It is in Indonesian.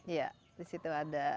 iya di situ ada